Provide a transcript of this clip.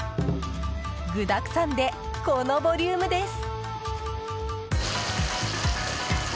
具だくさんでこのボリュームです。